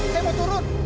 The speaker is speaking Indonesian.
saya mau turun